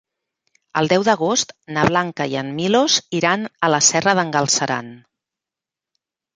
El deu d'agost na Blanca i en Milos iran a la Serra d'en Galceran.